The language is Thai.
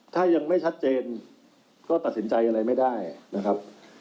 ถ้ายังไม่ชัดเจนก็ตัดสินใจอะไรไม่ได้นะครับ